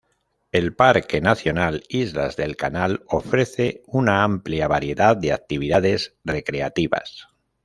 El parque nacional Islas del Canal ofrece una amplia variedad de actividades recreativas.